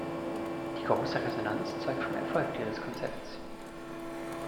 Die große Resonanz zeugt vom Erfolg dieses Konzepts.